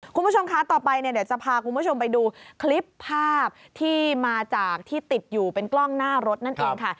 คุณผู้ชมคะต่อไปเนี่ยเดี๋ยวจะพาคุณผู้ชมไปดูคลิปภาพที่มาจากที่ติดอยู่เป็นกล้องหน้ารถนั่นเองค่ะ